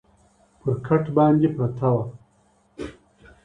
پر کټ باندي پرته وه